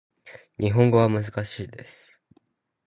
日本語は難しいです